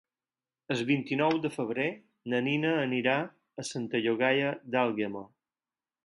El vint-i-nou de febrer na Nina anirà a Santa Llogaia d'Àlguema.